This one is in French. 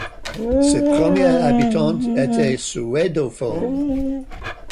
Ses premiers habitants étaient suédophones.